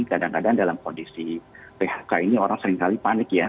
kadang kadang dalam kondisi phk ini orang seringkali panik ya